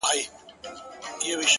دا د تجارت وسايل دي، مفت ئې نه درکوو.